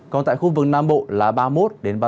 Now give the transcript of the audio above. còn tại khu vực nam bộ là ba mươi một ba mươi bốn độ